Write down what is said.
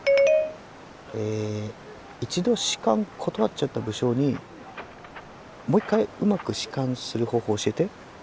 え一度仕官断っちゃった武将にもう一回うまく仕官する方法を教えて。